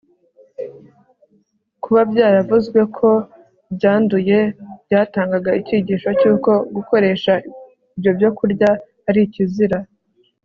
kuba byaravuzwe ko byanduye byatangaga icyigisho cy'uko gukoresha ibyo byokurya ari ikizira